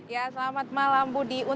ya selamat malam budi